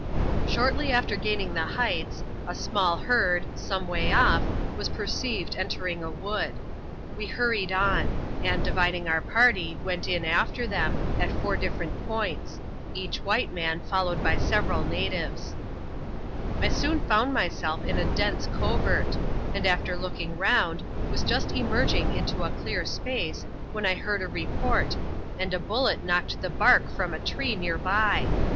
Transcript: Shortly after gaining the heights, a small li^td> ^m& ^^ off, was perceived entering a wood. 'We \i\afisA ^\i\^s^^% sao ADVENTURES IN THE SOUTH SEAS, [cbap.ltil dividing our party, went in after them, at four different points ; each white man followed by several natives. I soon found myself in a dense covert ; and, after lodung round, was just emerging into a dear space, when I heard a report, and a bullet knocked the bark from a tree near by.